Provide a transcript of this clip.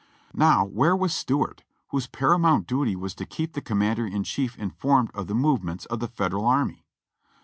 Now where was Stuart, whose paramount duty was to keep the commander in chief informed of the movements of the Federal army